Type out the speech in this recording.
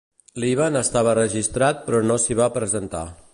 Líban estava registrat però no s'hi va presentar.